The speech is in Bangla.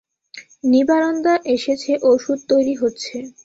নিবারণদা এসেছেন, অষুধ তৈরি হচ্ছে।